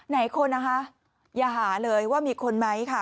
ในนะคนนะครับอย่าหาเลยว่ามีคนไหมครับ